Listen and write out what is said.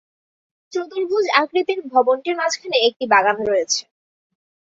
চতুর্ভুজ আকৃতির ভবনটির মাঝখানে একটি বাগান রয়েছে।